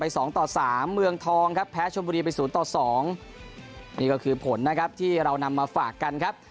สองต่อสามเมืองทองครับแพ้ชมบุรีไปศูนย์ต่อสองนี่ก็คือผลนะครับที่เรานำมาฝากกันครับ